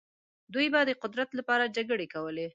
دوی به د قدرت لپاره جګړې کولې.